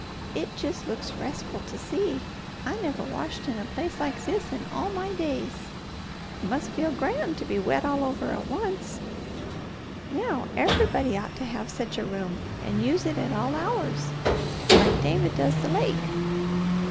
It jest looks restful to see. I never washed in a place like this in all my days. Must feel grand to be wet all over at once! Now everybody ought to have sech a room and use it at all hours, like David does the lake.